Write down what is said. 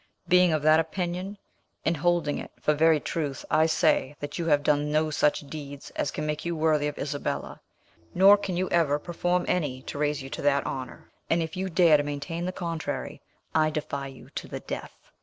Being of that opinion, and holding it for very truth, I say that you have done no such deeds as can make you worthy of Isabella, nor can you ever perform any to raise you to that honour; and if you dare to maintain the contrary, I defy you to the death."